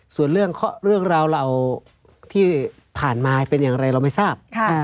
ส่วนเรื่องราวเหล่าที่ผ่านมาเป็นอย่างไรเราไม่ทราบ